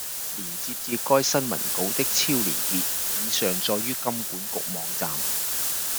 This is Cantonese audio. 連接至該新聞稿的超連結已上載於金管局網站